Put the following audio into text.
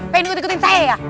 pengen ikut ikutin saya ya